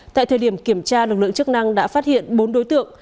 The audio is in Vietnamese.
tại thời điểm kiểm tra lực lượng chức năng đã phát hiện bốn đối tượng